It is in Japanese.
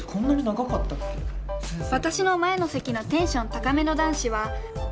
私の前の席のテンション高めの男子は。